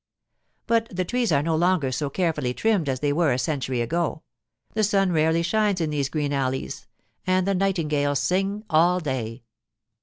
But the trees are no longer so carefully trimmed as they were a century ago; the sun rarely shines in these green alleys, and the nightingales sing all day.